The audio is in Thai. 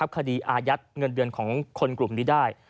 คดีอายัดเงินเดือนของคนกลุ่มนี้ได้